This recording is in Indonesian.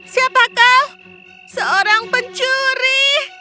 siapa kau seorang pencuri